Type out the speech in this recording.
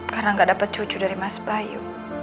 karena gak dapat cucu dari mas bayu